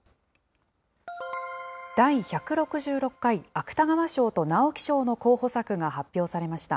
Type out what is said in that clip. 第１６６回芥川賞と直木賞の候補作が発表されました。